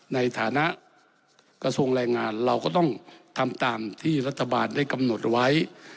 ในฐานะกระทรวงแรงงานเราก็ต้องทำตามที่รัฐบาลได้กำหนดไว้